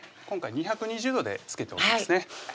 今回２２０度でつけておきますね